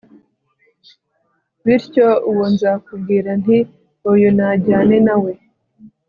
bityo uwo nzakubwira nti 'uyu najyane nawe'